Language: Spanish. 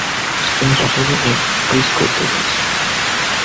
Tiene su sede en Frisco, Texas.